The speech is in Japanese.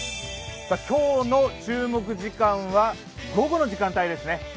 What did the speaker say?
今日の注目時間は午後の時間帯ですね。